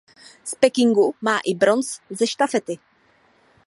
Z Pekingu má i bronz ze štafety.